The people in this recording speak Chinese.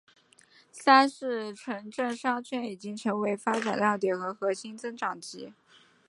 三是城镇商圈已经成为发展亮点和核心增长极。